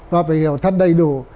và phải hiểu thật đầy đủ